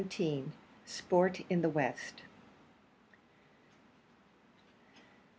SPORT IN THE WEST.